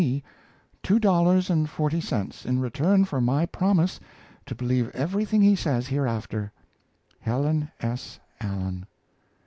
C. Two Dollars and Forty Cents in return for my promise to believe everything he says hereafter. HELEN S. ALLEN.